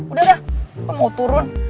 udah udah gue mau turun